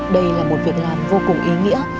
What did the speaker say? đây là một việc làm vô cùng ý nghĩa